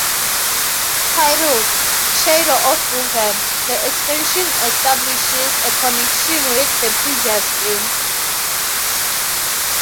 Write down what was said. Titled "Shadow of Revan", the expansion establishes a connection with the previous game.